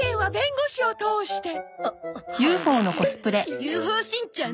ＵＦＯしんちゃん？